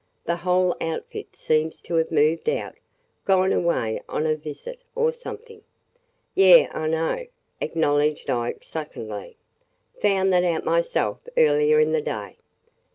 The whole outfit seems to have moved out – gone away on a visit – or something!" "Yeh, I know!" acknowledged Ike succinctly. "Found that out myself earlier in the day!"